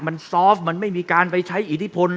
มันซอฟต์มันไม่มีการไปใช้อิทธิพล